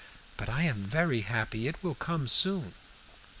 But I am very happy. It will soon come.'